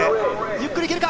ゆっくりいけるか。